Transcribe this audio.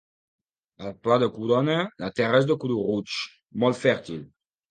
Al Pla de Corona la terra és de color roig, molt fèrtil.